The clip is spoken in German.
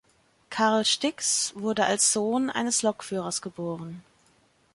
Karl Stix wurde als Sohn eines Lokführers geboren.